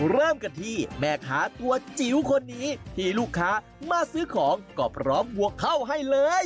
เริ่มกันที่แม่ค้าตัวจิ๋วคนนี้ที่ลูกค้ามาซื้อของก็พร้อมวัวเข้าให้เลย